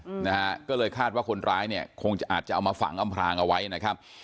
อืมนะฮะก็เลยคาดว่าคนร้ายเนี่ยคงจะอาจจะเอามาฝังอำพลางเอาไว้นะครับ